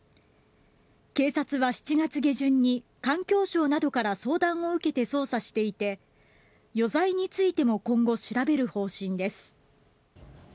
警察は７月下旬に環境省などから相談を受けて捜査していて余罪についても今後、調べる方針です。